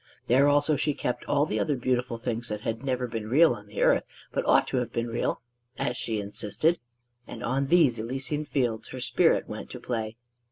There also she kept all the other beautiful things that had never been real on the earth but ought to have been real, as she insisted; and on these Elysian Fields her spirit went to play.